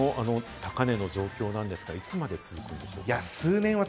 この高値の状況なんですけれども、いつまで続くんでしょうか？